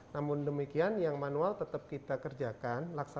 namun demikian yang manual tetap kita kerjakan